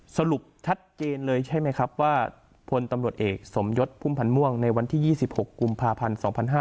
สรุปชัดเจนเลยใช่ไหมครับว่าพลตำรวจเอกสมยศพุ่มพันธ์ม่วงในวันที่๒๖กุมภาพันธ์๒๕๕๙